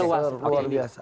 terlihat luar biasa